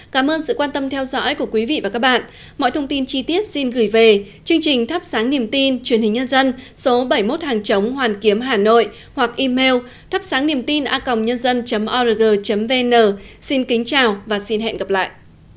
cảm ơn các bạn đã theo dõi và hẹn gặp lại